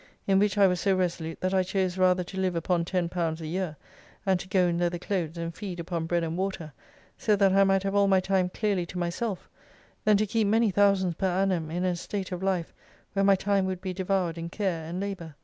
In which I was so resolute, that I chose rather to live upon ten pounds a year, and to go in leather clothes, and feed upon bread and water, so that I might have all my time clearly to myself, than to keep many thousands per annum in an estate of life where my time would be devoured in care and labour.